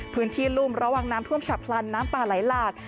พื้นที่ลุ่มระหว่างน้ำท่วมฉับพลันน้ำปลาไหลหลาก